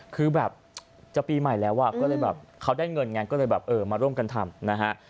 คือแบบจะปีใหม่แล้วก็เลยแบบเขาได้เงินไงก็เลยแบบเออมาร่วมกันทำนะฮะ